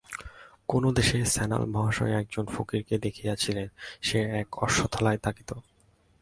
কোন দেশে সান্যাল মহাশয় একজন ফকিরকে দেখিয়াছিলেন, সে এক অশথতলায় থাকিত।